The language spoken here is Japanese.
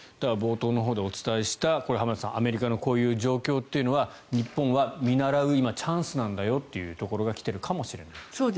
冒頭のほうでお伝えしたアメリカのこういう状況は日本は見習うチャンスなんだよというところが来ているかもしれない。